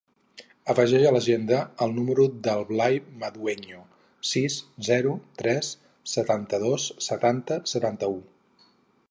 Afegeix a l'agenda el número del Blai Madueño: sis, zero, tres, setanta-dos, setanta, setanta-u.